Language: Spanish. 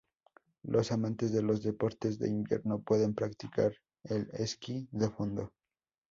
Los amantes de los deportes de invierno pueden practicar el esquí de fondo.